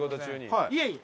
いえいえ！